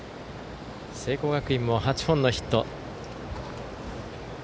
聖光学院も８本のヒット。